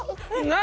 何？